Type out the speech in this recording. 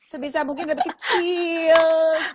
sebisa mungkin lebih kecil